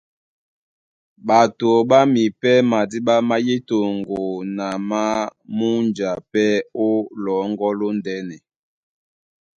Ɓato ɓá mipɛ́ madíɓá má yí toŋgo na má múnja pɛ́ ó lɔ́ŋgɔ́ lóndɛ́nɛ.